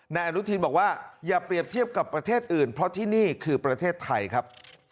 นายอนุทินบอกว่าอย่าเปรียบเทียบกับประเทศอื่นเพราะที่นี่คือประเทศไทยครับ